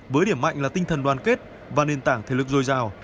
với điểm mạnh là tinh thần đoàn kết và nền tảng thể lực dồi dào